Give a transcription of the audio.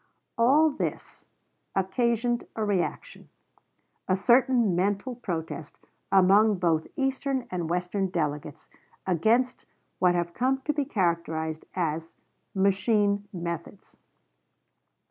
All this occasioned a reaction a certain mental protest among both Eastern and Western delegates against what have come to be characterized as "machine" methods.